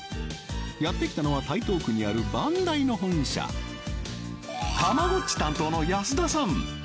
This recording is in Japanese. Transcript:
やって来たのは台東区にあるバンダイの本社たまごっち担当の安田さん